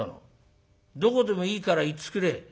どこでもいいから行っつくれ」。